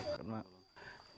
ada juga yang pakai hp